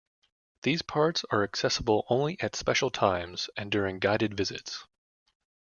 These parts are accessible only at special times and during guided visits.